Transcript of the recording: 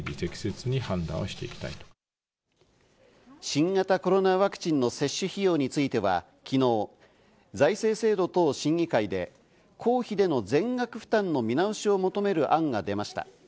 新型コロナワクチンの接種費用については昨日、財政制度等審議会で公費での全額負担の見直しを求める案が出ました。